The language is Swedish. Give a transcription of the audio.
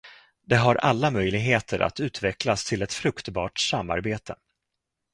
Det har alla möjligheter att utvecklas till ett fruktbart samarbete.